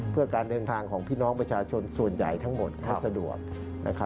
เพื่อการเดินทางของพี่น้องประชาชนส่วนใหญ่ทั้งหมดให้สะดวก